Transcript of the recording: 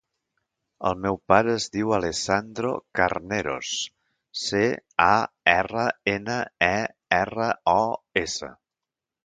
El meu pare es diu Alessandro Carneros: ce, a, erra, ena, e, erra, o, essa.